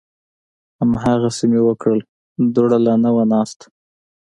هماغسې مې وکړل، دوړه لا نه وه ناسته